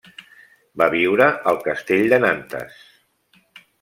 Va viure al castell de Nantes.